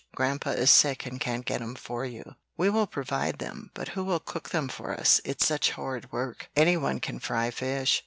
Grandpa is sick and can't get 'em for you." "We will provide them, but who will cook them for us? It's such horrid work." "Any one can fry fish!